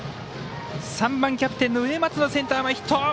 ３番キャプテンの植松のセンター前ヒット。